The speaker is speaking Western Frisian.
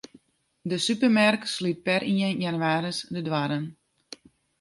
De supermerk slút per ien jannewaris de doarren.